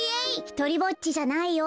・ひとりぼっちじゃないよ。